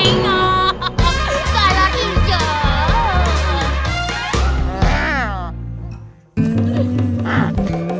itu gue nengok